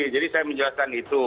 jadi saya menjelaskan itu